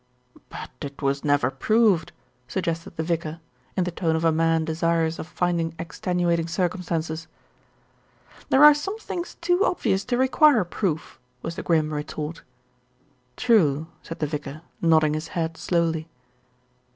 "But it was never proved," suggested the vicar in the tone of a man desirous of finding extenuating cir cumstances. "There are some things too obvious to require proof," was the grim retort. "True," said the vicar, nodding his head slowly.